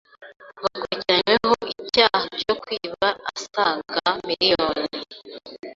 bakurikiranyweho icyaha cyo kwiba asaga miliyoni